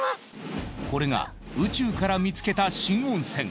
これが宇宙から見つけた新温泉。